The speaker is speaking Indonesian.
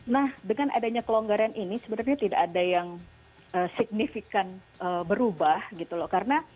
nah dengan adanya kelonggaran ini sebenarnya tidak ada yang signifikan berubah gitu loh karena